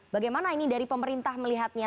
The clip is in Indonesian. bagaimana ini dari pemerintah melihatnya